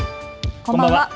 こんばんは。